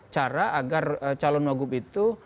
cara agar calon wakil gubernur itu